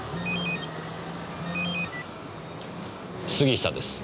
杉下です。